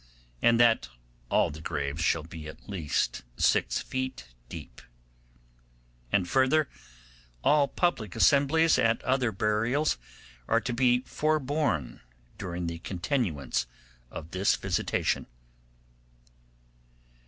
And that all the graves shall be at least six feet deep. 'And further, all public assemblies at other burials are to be foreborne during the continuance of this visitation.